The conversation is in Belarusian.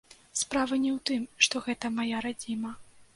Справа не ў тым, што гэта мая радзіма.